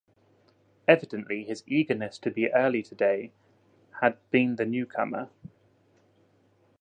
Evidently his eagerness to be early to-day had been the newcomer.